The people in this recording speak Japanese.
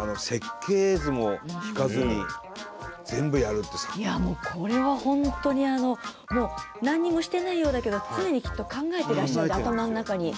いやあでもすごいねもうこれは本当にあの何にもしてないようだけど常にきっと考えてらっしゃる頭の中に。